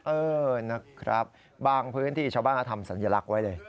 เออนะครับบางพื้นที่ชาวบ้านก็ทำสัญลักษณ์ไว้เลย